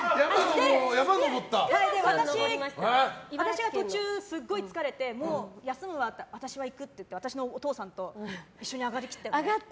私が途中、すごい疲れてもう休むわって言ったら私は行く！って言って私のお父さんと一緒に上がりきって。